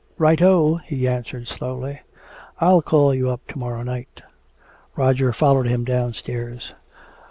"Right O," he answered slowly. "I'll call up to morrow night." Roger followed him downstairs.